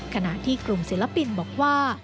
ขณะที่กลุ่มศิลปินบอกว่า